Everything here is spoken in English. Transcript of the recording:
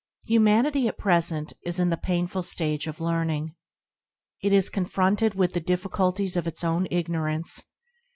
Humanity at present is in the painful stage of "learning/ ' It is con fronted with the difficulties of its own igno rance.